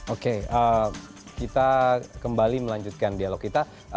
oke kita kembali melanjutkan dialog kita